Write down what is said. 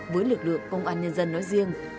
với lực lượng công an nhân dân nói riêng